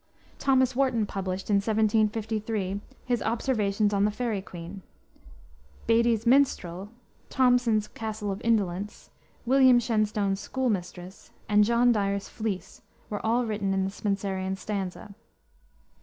Thomas Warton published, in 1753, his Observations on the Faerie Queene. Beattie's Minstrel, Thomson's Castle of Indolence, William Shenstone's Schoolmistress, and John Dyer's Fleece, were all written in the Spenserian stanza.